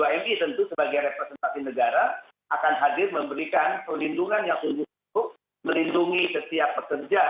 dan itu sebagai representasi negara akan hadir memberikan perlindungan yang sebut sebut melindungi setiap pekerja